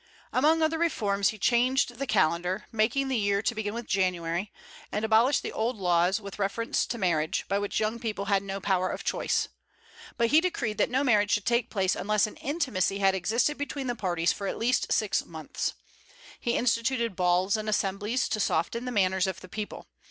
Among other reforms he changed the calendar, making the year to begin with January, and abolished the old laws with reference to marriage, by which young people had no power of choice; but he decreed that no marriage should take place unless an intimacy had existed between the parties for at least six months. He instituted balls and assemblies, to soften the manners of the people.